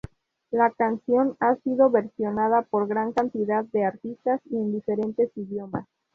La canción ha sido versionada por gran cantidad de artistas y en diferentes idiomas.